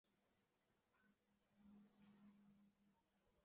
中共中央中原局是负责中央地区的党的领导机构。